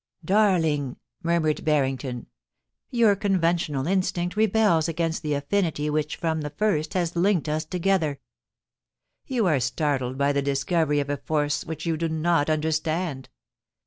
* Darling,* murmured Barrington, * your conventional instinct rebels against the affinity w^hich from the first has linked us together. You are startled by the discovery of a force which you do not understand.